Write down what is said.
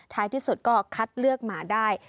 ที่สุดก็คัดเลือกหมาได้